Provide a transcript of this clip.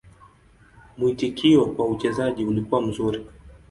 Mwitikio kwa uchezaji ulikuwa mzuri.